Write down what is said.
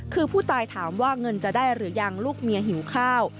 คือผู้ตายถามว่าเงินจะได้หรือยังลูกเมียหิวข้าว